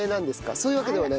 そういうわけではない？